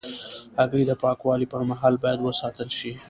هګۍ د پاکوالي پر مهال باید وساتل شي.